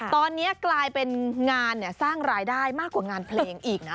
ตอนนี้กลายเป็นงานสร้างรายได้มากกว่างานเพลงอีกนะ